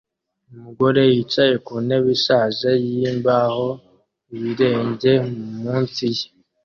Umugore yicaye ku ntebe ishaje yimbaho ibirenge munsi ye